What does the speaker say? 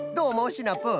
シナプー。